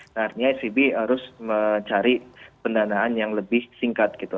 nah artinya svb harus mencari pendanaan yang lebih singkat gitu